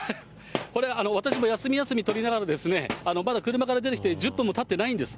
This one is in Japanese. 私も休み休み取りながら、まだ車から出てきて１０分もたっていないんです。